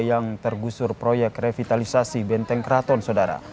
yang tergusur proyek revitalisasi benteng keraton sodara